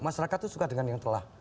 masyarakat itu suka dengan yang telah